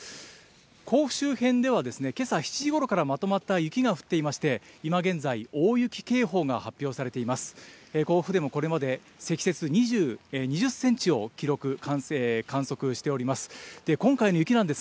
甲府周辺では、けさ７時ごろから、まとまった雪が降っていまして、今現在、大雪警報が発表されています。